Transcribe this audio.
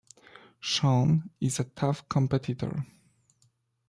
Shawn is a tough competitor.